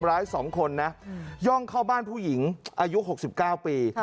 ร้าย๒คนนะย่องเข้าบ้านผู้หญิงอายุ๖๙ปี